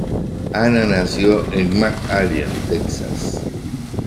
Ana nació en McAllen, Texas.